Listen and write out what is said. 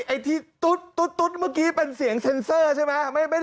ไอ้ที่ตุ๊ดตุ๊ดตุ๊ดเมื่อกี้เป็นเสียงเซ็นเซอร์ใช่ไหมไม่เป็น